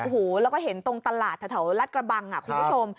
โอ้โหแล้วก็เห็นตรงตลาดแถวรัฐกระบังคุณผู้ชม